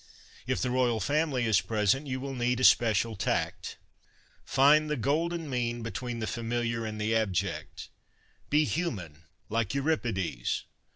If the Royal Family is present you will need especial tact. Find the golden mean between the familiar and the abject. Be human, like Euripides.